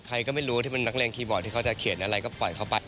ใครก็ไม่รู้ที่เป็นนักเรียนคีย์บอร์ดที่เขาจะเขียนอะไรก็ปล่อยเขาไป